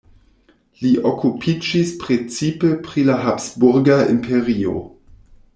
Li okupiĝis precipe pri la Habsburga Imperio.